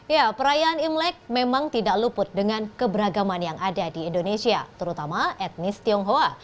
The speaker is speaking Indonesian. ya perayaan imlek memang tidak luput dengan keberagaman yang ada di indonesia terutama etnis tionghoa